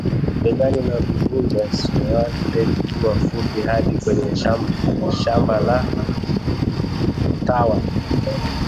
begani na kukunja suruali ndefu kuwa fupi, hadi kwenye Shamba la mtawa